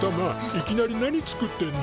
いきなり何作ってんの？